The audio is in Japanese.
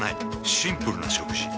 シンプルな食事。